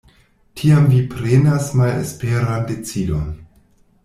Tiam vi prenas malesperan decidon.